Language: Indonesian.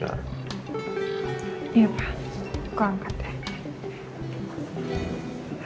aku angkat deh